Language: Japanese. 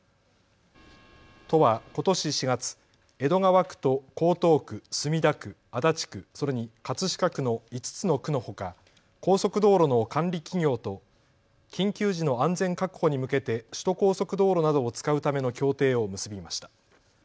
都はことし４月、江戸川区と江東区、墨田区、足立区、それに葛飾区の５つの区のほか高速道路の管理企業と緊急時の安全確保に向けて首都高速道路などを使うための協定を結びました。